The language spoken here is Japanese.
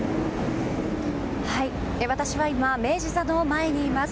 私は今、明治座の前にいます。